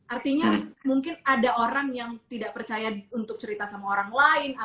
artinya mungkin ada orang yang tidak percaya untuk cerita sama orang lain